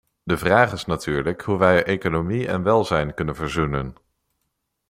De vraag is natuurlijk hoe wij economie en welzijn kunnen verzoenen.